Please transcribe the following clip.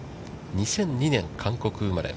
２００２年韓国生まれ。